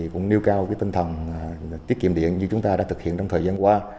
cũng nêu cao tinh thần tiết kiệm điện như chúng ta đã thực hiện trong thời gian qua